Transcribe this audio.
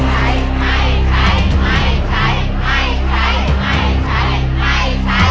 ไม่ใช้